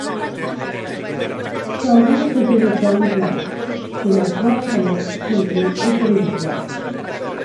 Stori fydryddol i blant sy'n adrodd hanes teulu o ddreigiau.